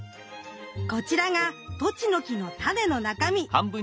こちらがトチノキのタネの中身。